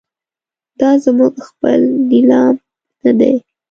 دا زموږ خپل نیلام نه دی.